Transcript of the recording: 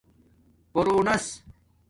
پروانس